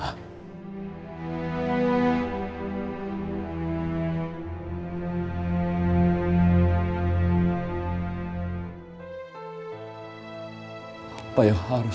aku sudah lalu